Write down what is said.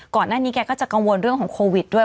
ก่อนหน้านี้แกก็จะกังวลเรื่องของโควิดด้วย